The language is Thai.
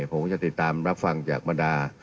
ผมก็จะติดตามรับฟังจากบรรดา